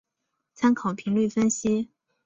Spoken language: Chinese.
参考频率分析。